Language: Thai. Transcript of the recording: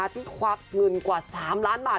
ควักเงินกว่า๓ล้านบาท